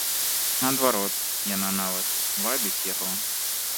Наадварот, яна нават вабіць яго.